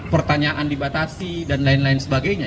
pertanyaan dibatasi dan lain lain sebagainya